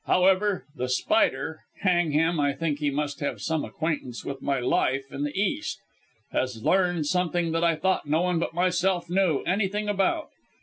However, The Spider hang him, I think he must have some acquaintance with my life in the East has learned something I thought no one but myself knew anything about.